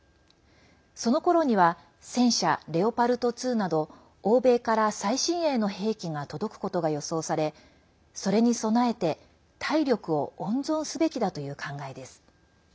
そのころには戦車レオパルト２など欧米から最新鋭の兵器が届くことが予想されそれに備えて、体力を温存すべきだという考えです。